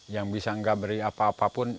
yang bisa enggak beri apa apa pun nengokin